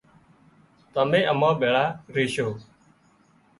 تمين امان ڀيۯا ريشو